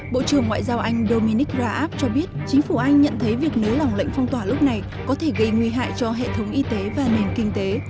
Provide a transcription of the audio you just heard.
bộ trưởng ngoại giao anh dominic raab cho biết chính phủ anh nhận thấy việc nới lỏng lệnh phong tỏa lúc này có thể gây nguy hại cho hệ thống y tế và nền kinh tế